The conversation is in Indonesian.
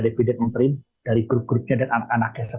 dividend entry dari grup grupnya dan anak anaknya